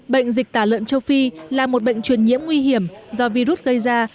bệnh dịch tả lợn châu phi là một bệnh truyền nhiễm nguy hiểm do virus gây ra